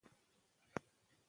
چټک خدمت د ماشوم ستونزې کموي.